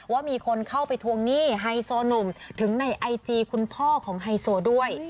ว่ามีคนเข้าไปทวงหนี้ไฮโซหนุ่มถึงในไอจีคุณพ่อของไฮโซด้วย